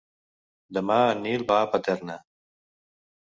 Demà en Nil va a Paterna.